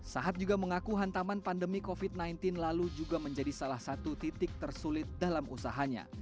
sahat juga mengaku hantaman pandemi covid sembilan belas lalu juga menjadi salah satu titik tersulit dalam usahanya